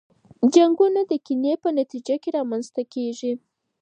جنګونه د کینې په نتیجه کي رامنځته کیږي.